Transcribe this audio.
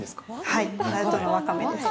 はい、鳴門のワカメです。